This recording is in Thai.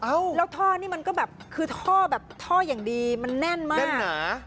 แล้วท่อนี่มันก็แบบคือท่อแบบท่ออย่างดีมันแน่นมากแน่นหนา